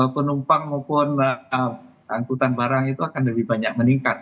penumpang maupun angkutan barang itu akan lebih banyak meningkat